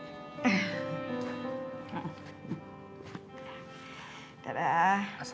nanti mama cari duit dulu ya